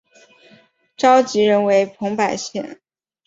召集人为彭百显。